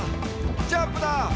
ジャンプだ！」